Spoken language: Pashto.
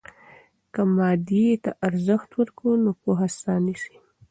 که مادیې ته ارزښت ورکوو، نو پوهه ساه نیسي.